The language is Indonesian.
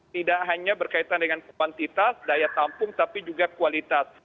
tidak hanya berkaitan dengan kuantitas daya tampung tapi juga kualitas